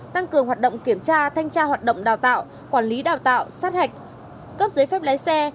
tăng cường hoạt động kiểm tra thanh tra hoạt động đào tạo quản lý đào tạo sát hạch cấp giấy phép lái xe